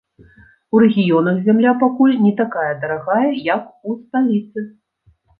У рэгіёнах зямля пакуль не такая дарагая, як у сталіцы.